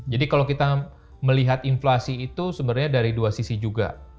jadi kalau kita melihat inflasi itu sebenarnya dari dua sisi juga